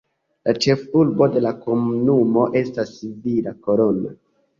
La ĉefurbo de la komunumo estas Villa Corona.